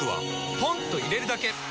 ポンと入れるだけ！